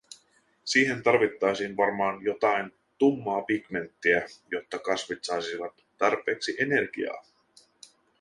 Siihen tarvittaisiin varmaan jotain tummaa pigmenttiä, jotta kasvit saisivat tarpeeksi energiaa.